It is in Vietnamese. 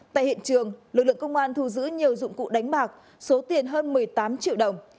tại hiện trường lực lượng công an thu giữ nhiều dụng cụ đánh bạc số tiền hơn một mươi tám triệu đồng